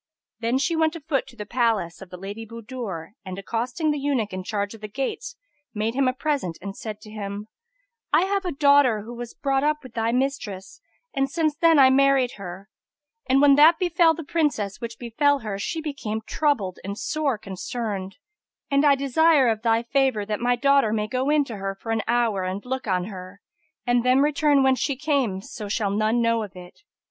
Then she went a foot to the palace of the Lady Budur and, accosting the eunuch in charge of the gates, made him a present and said to him, "I have a daughter, who was brought up with thy mistress and since then I married her; and, when that befel the Princess which befel her, she became troubled and sore concerned, and I desire of thy favour that my daughter may go in to her for an hour and look on her; and then return whence she came, so shall none know of it."